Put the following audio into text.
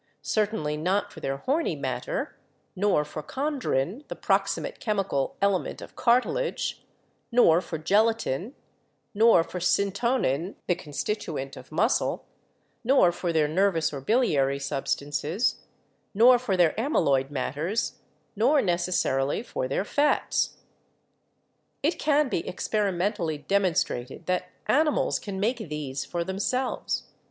Certainly not for their horny matter; nor for chondrin, the proximate chemical element of cartilage; ORGANIC FUNCTIONS 99 nor for gelatin ; nor for syntonin, the constituent of mus cle; nor for their nervous or biliary substances; nor for their amyloid matters ; nor, necessarily, for their fats. "It can be experimentally demonstrated that animals can make these for themselves.